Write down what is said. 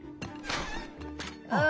ああ。